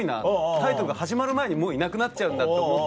タイトルが始まる前にもういなくなっちゃうんだと思って。